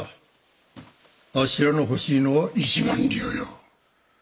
あっしらの欲しいのは１万両よ。